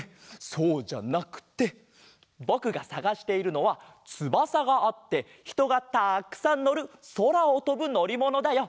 そうじゃなくてぼくがさがしているのはつばさがあってひとがたくさんのるそらをとぶのりものだよ。